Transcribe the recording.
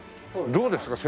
どうですか？